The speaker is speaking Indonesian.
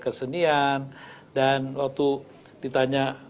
kesenian dan waktu ditanya